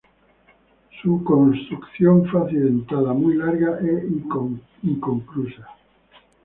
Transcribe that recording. Su construcción fue accidentada, muy larga e inconclusa.